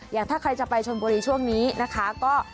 อย่างที่เขาจะไปชลบุรีช่วงนี้นะคะ